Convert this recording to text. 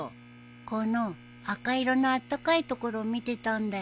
この赤色のあったかいところを見てたんだよ。